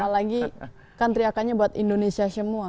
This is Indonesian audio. apalagi kan teriakannya buat indonesia semua